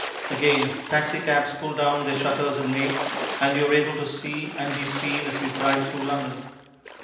Again, taxicabs pull down their shutters in May, and you are able to see and be seen as you drive through London.